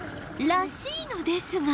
らしいのですが